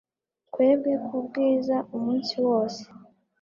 twebwe, kubwiza, umunsi wose